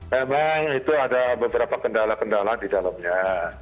memang itu ada beberapa kendala kendala di dalamnya